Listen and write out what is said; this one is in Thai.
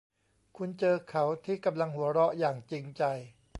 คุณเจอเขาที่กำลังหัวเราะอย่างจริงใจ